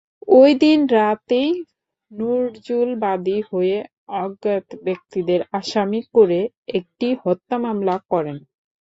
ওইদিন রাতেই নজরুল বাদী হয়ে অজ্ঞাত ব্যক্তিদের আসামি করে একটি হত্যা মামলা করেন।